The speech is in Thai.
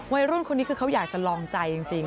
วัยรุ่นคนนี้คือเขาอยากจะลองใจจริง